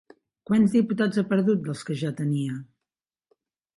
Quants diputats ha perdut dels que ja tenia?